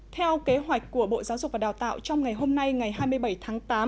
theo kế hoạch của bộ giáo dục và đào tạo trong ngày hôm nay ngày hai mươi bảy tháng tám